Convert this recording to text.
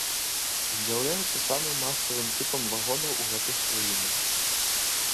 З'яўляецца самым масавым тыпам вагонаў у гэтых краінах.